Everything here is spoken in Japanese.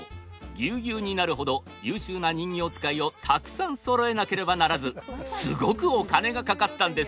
ギュウギュウになるほど優秀な人形遣いをたくさんそろえなければならずすごくお金がかかったんです。